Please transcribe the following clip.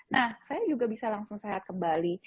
nah saya juga bisa langsung sehat kembali